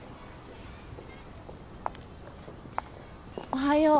おはよう。